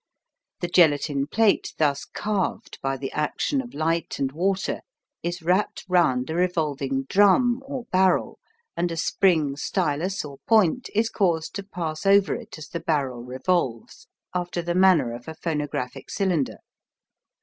The gelatine plate thus carved by the action of light and water is wrapped round a revolving drum or barrel, and a spring stylus or point is caused to pass over it as the barrel revolves, after the manner of a phonographic cylinder.